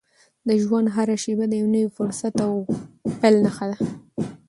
د ژوند هره شېبه د یو نوي فرصت او پیل نښه ده.